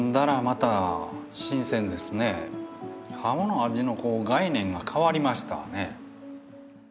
ハモの味の概念が変わりましたね。